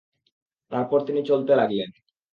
তারপর তিনি চলতে লাগলেন।